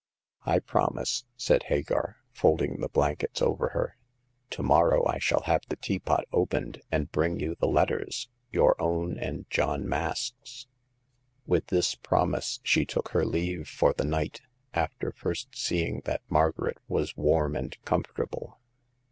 " I promise," said Hagar, folding the blankets over her. " To morrow I shall have the teapot opened, and bring you the letters— your own ancl^ John Mask's." With this promise she took her leave for the night, after first seeing that Margaret was warm and comfortable.